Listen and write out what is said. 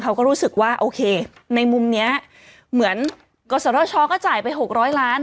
เขาก็รู้สึกว่าโอเคในมุมนี้เหมือนกศธชก็จ่ายไป๖๐๐ล้าน